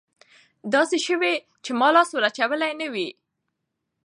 داسې شوي چې ما لاس ور اچولى نه وي.